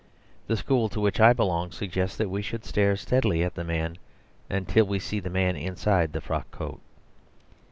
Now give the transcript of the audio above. The school to which I belong suggests that we should stare steadily at the man until we see the man inside the frock coat.